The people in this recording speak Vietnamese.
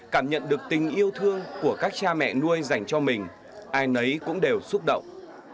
cảm nhận được tình yêu thương của các cha mẹ nuôi dành cho mình ai nấy cũng đều xúc động